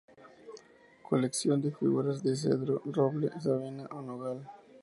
Colección de figuras de cedro, roble, sabina o nogal.